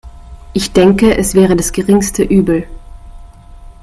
Ich denke, es wäre das geringste Übel.